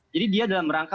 jadi dia dalam rangka